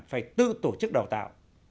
phải tự tổ chức đào tạo